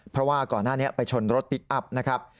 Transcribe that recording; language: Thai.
เพราะว่าก่อนหน้านี้ไปชนรถพลิกอัพนะครับ